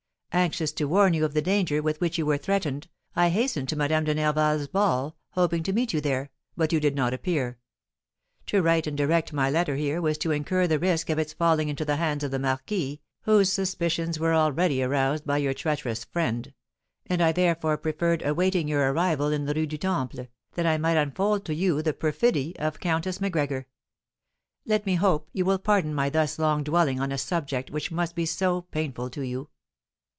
Anxious to warn you of the danger with which you were threatened, I hastened to Madame de Nerval's ball, hoping to meet you there, but you did not appear. To write and direct my letter here was to incur the risk of its falling into the hands of the marquis, whose suspicions were already aroused by your treacherous friend; and I therefore preferred awaiting your arrival in the Rue du Temple, that I might unfold to you the perfidy of Countess Macgregor. Let me hope you will pardon my thus long dwelling on a subject which must be so painful to you.